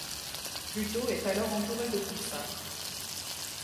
Pluto est alors entouré de poussins...